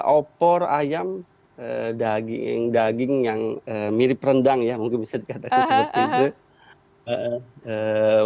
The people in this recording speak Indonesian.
opor ayam daging daging yang mirip rendang ya mungkin bisa dikatakan seperti itu